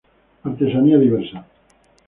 Artesanía diversa.